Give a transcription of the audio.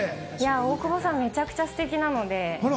大久保さん、めちゃくちゃステキなので。